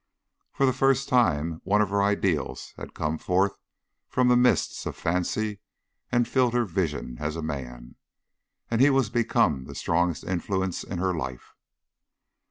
For the first time one of her ideals had come forth from the mists of fancy and filled her vision as a man; and he was become the strongest influence in her life.